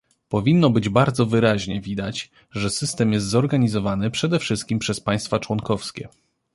Powinno być bardzo wyraźnie widać, że system jest zorganizowany, przede wszystkim przez państwa członkowskie